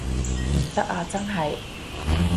唔得啊真係